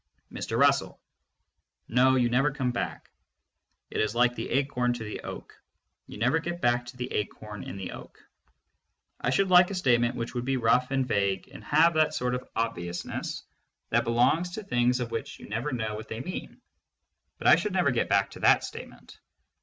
Mr. Russell: No, you never come back. It is like the acorn to the oak. You never get back to the acorn in the oak. I should like a statement which would be rough and vague and have that sort of obviousness that belongs to things of which you never know what they mean, but I should never get back to that statement.